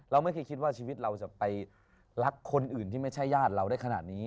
เราไม่เคยคิดว่าชีวิตเราจะไปรักคนอื่นที่ไม่ใช่ญาติเราได้ขนาดนี้